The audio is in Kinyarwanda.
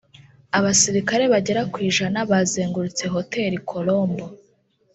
abasirikare bagera ku ijana bazengurutse hoteli Colombo